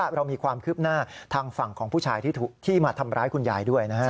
เรามีความคืบหน้าทางฝั่งของผู้ชายที่มาทำร้ายคุณยายด้วยนะฮะ